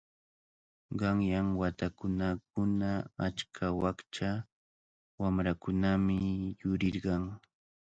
Qanyan watakunakuna achka wakcha wamrakunami yurirqan.